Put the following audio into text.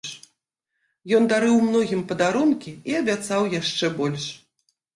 Ён дарыў многім падарункі і абяцаў яшчэ больш.